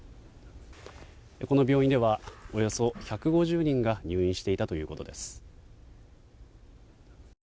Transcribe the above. この病院ではおよそ１５０人が入院していたということです。